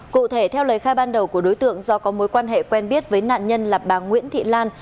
cụ thể theo lời khai ban đầu của đối tượng do có mối quan hệ quen biết với nạn nhân là bà nguyễn thị lan